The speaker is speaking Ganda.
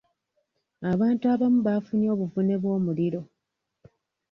Abantu abamu baafunye obuvune bw'omuliro.